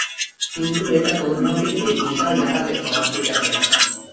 কিন্তু এটা কোনোভাবেই এই বিশাল জাহাজের সমাপ্তি টানবে না।